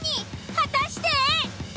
果たして。